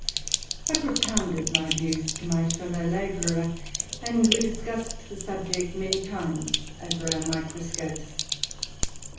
I propounded my views to my fellow labourer, and we discussed the subject many times over our microscopes.